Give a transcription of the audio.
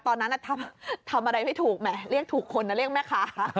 ตอนนั้นทำอะไรไม่ถูกแหมเรียกถูกคนนะเรียกแม่ค้า